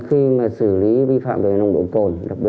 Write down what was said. tôi là lực lượng chức năng đúng rồi